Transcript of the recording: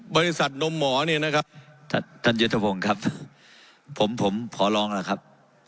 บริษัทนมหมอนี่นะครับท่านยุทธภงครับผมผมขอร้องล่ะครับ